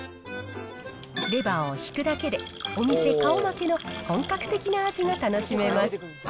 レバーを引くだけで、お店顔負けの本格的な味が楽しめます。